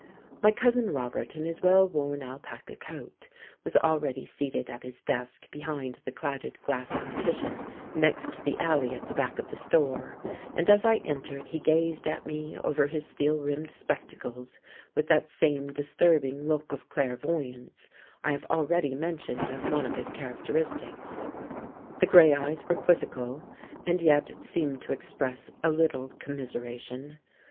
My Cousin Robert, in his well worn alpaca coat, was already seated at his desk behind the clouded glass partition next the alley at the back of the store, and as I entered he gazed at me over his steel rimmed spectacles with that same disturbing look of clairvoyance I have already mentioned as one of his characteristics. The grey eyes were quizzical, and yet seemed to express a little commiseration.